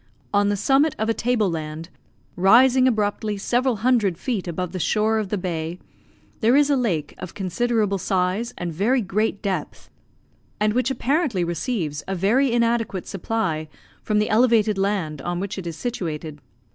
On the summit of a table land, rising abruptly several hundred feet above the shore of the bay, there is a lake of considerable size and very great depth, and which apparently receives a very inadequate supply from the elevated land on which it is situated.